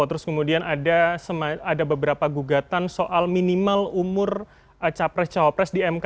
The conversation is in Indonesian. terus kemudian ada beberapa gugatan soal minimal umur capres cawapres di mk